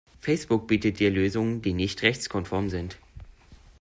Facebook bietet dir Lösungen, die nicht rechtskonform sind.